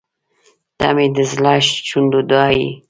• ته مې د زړه شونډو دعا یې.